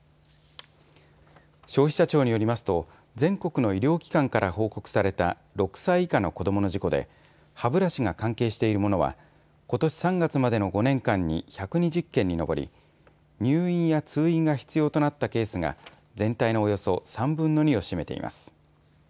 消費者庁によりますと全国の医療機関から報告された６歳以下の子どもの事故で歯ブラシが関係しているものはことし３月までの５年間に１２０件にのぼり入院や通院が必要となったケースが全体のおよそ３分の２を占めています。